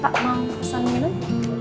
pak mau pesan minum